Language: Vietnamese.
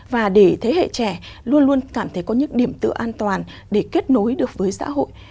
và để thế hệ trẻ luôn luôn cảm thấy có những điểm tự an toàn để kết nối được với xã hội